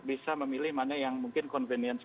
bisa memilih mana yang mungkin convenience